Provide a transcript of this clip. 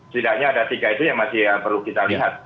setidaknya ada tiga itu yang masih perlu kita lihat